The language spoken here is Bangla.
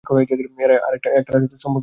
এরা একটা আরেকটার সাথে সম্পর্কিত নয়!